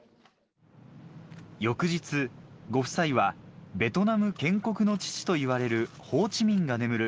翌日ご夫妻はベトナム建国の父といわれるホーチミンが眠る